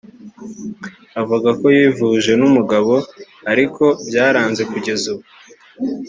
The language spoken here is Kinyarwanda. Avuga ko yivuje n’umugabo bikaba byaranze kugeza ubu